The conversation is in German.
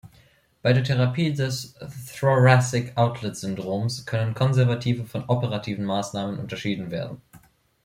Bei der Therapie des Throracic-outlet-Syndroms können konservative von operativen Maßnahmen unterschieden werden.